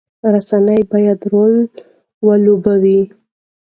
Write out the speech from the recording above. رسنۍ باید رول ولوبوي.